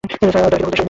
তারা কি দখলদার সৈনিক?